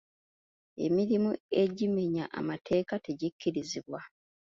Emirimu egimenya amateeka tegikkirizibwa.